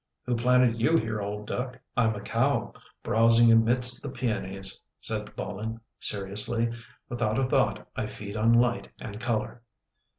Who planted you here, old duck? "" I'm a cow browsing amidst the peonies/' said Bolin seriously. "Without a thought, I feed on light and colour."